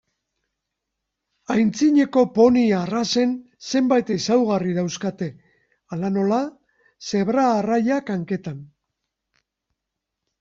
Antzineko poni arrazen zenbait ezaugarri dauzkate, hala nola zebra-arraiak hanketan.